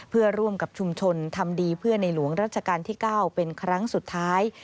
เพื่อร่วมกับชุมชนทำดีเพื่อในหลวงรัชกาลที่๙เป็นครั้งสุดท้าย